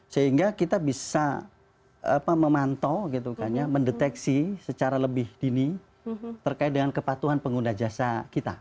sehingga kita bisa memantau mendeteksi secara lebih dini terkait dengan kepatuhan pengguna jasa kita